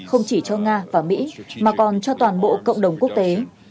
không chỉ cho nga và mỹ mà còn cho toàn bộ cộng đồng quốc tế